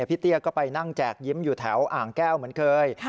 เตี้ยก็ไปนั่งแจกยิ้มอยู่แถวอ่างแก้วเหมือนเคย